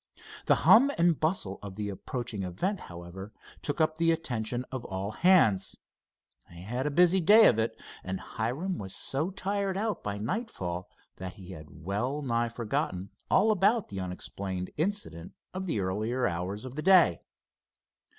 The hum and bustle of the approaching event, however, took up the attention of all hands. They had a busy day of it, and Hiram was so tired out by nightfall that he had well nigh forgotten all about the unexplained incident of the earlier hours of the day.